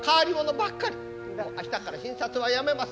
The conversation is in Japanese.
だから明日っから診察はやめます。